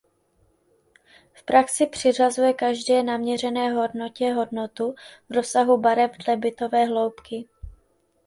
V praxi přiřazuje každé naměřené hodnotě hodnotu v rozsahu barev dle bitové hloubky.